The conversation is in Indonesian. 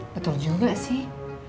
betul juga sih